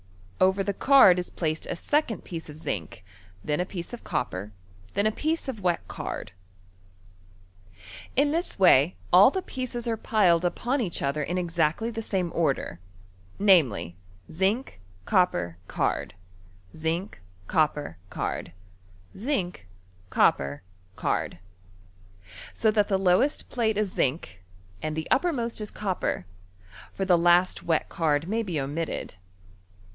Over the card IS placed a second piece of zinc, then a piece of copper, then a piece of wet card. In this way 254 BiSTOKT or cbejAmtwlt. •11 the pieces are piled vpon each odier m ezacdy tbe same order, naBehr, zinc, copper, card ; copper, card ; zinc, copper, card. Sodnt the plate is zinc and the oppermost is copper (Sm the last iret card may he ooitted).